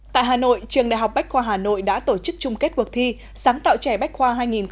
tại hà nội trường đại học bách khoa hà nội đã tổ chức chung kết cuộc thi sáng tạo trẻ bách khoa hai nghìn một mươi chín